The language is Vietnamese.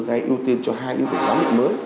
cái ưu tiên cho hai lĩnh vực giám định mới